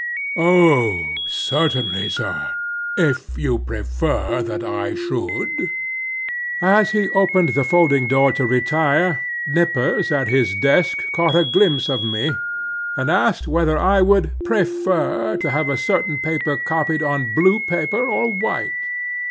"Oh certainly, sir, if you prefer that I should." As he opened the folding door to retire, Nippers at his desk caught a glimpse of me, and asked whether I would prefer to have a certain paper copied on blue paper or white.